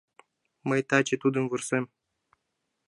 Мый таче тудым вурсем.